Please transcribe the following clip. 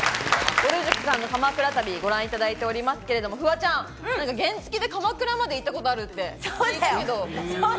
ぼる塾さんの鎌倉旅をご覧いただいておりますが、フワちゃん原付で鎌倉まで行ったことあるって聞いたけど。